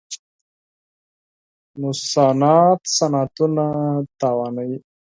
نوسانات صنعتونه زیانمنوي.